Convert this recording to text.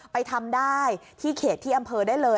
ไปทำได้ที่เขตที่อำเภอได้เลย